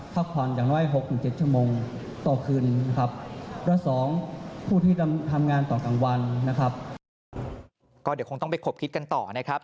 ก็เดี๋ยวคงต้องไปขบคิดกันต่อนะครับ